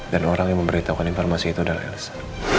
orang yang memberitahukan informasi itu adalah elsa